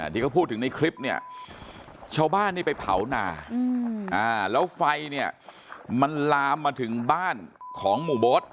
ที่เขาพูดถึงในคลิปเนี่ยชาวบ้านนี่ไปเผานาแล้วไฟเนี่ยมันลามมาถึงบ้านของหมู่โบ๊ท